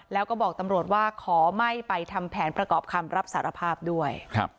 แล้วก็บอกตำรวจว่าขอไม่ไปทำแผนประกอบคำรับสารภาพด้วย